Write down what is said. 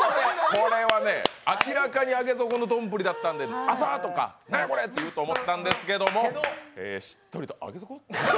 これは明らかに上げ底の丼だったんで、「浅！」とか、「何やこれ！」ってリアクションを待ってたんですけどしっとりと「上げ底？」